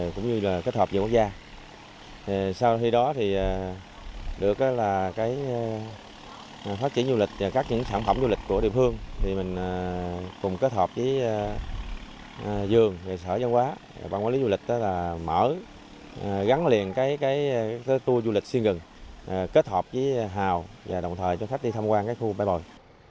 cùng kết hợp với dường nghệ sở dân quá băng quản lý du lịch là mở gắn liền cái tour du lịch xuyên gần kết hợp với hào và đồng thời cho khách đi tham quan cái khu bay bồi